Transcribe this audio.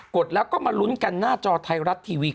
ดแล้วก็มาลุ้นกันหน้าจอไทยรัฐทีวี